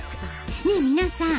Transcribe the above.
ねえ皆さん